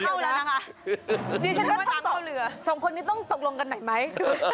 ดิฉันก็ถ้าเกรอะเดี๋ยวนะสองคนนี้ต้องตกลงกันไหนไหม